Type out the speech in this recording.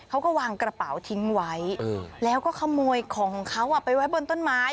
เขาก็วางกระเป๋าทิ้งไว้แล้วก็ขโมยของของเขาไปไว้บนต้นไม้